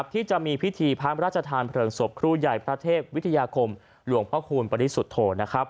ที่จะมีพิธีพระราชทานเพลิงศพครูใหญ่พระเทพวิทยาคมหลวงพ่อคูณปริสุทธโธ